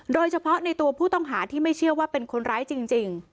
โดยเฉพาะในตัวผู้ต้องหาที่ไม่เชื่อว่าเป็นคนร้ายจริง